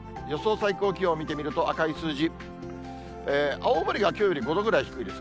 最高気温見てみると、赤い数字、青森がきょうより５度ぐらい低いです。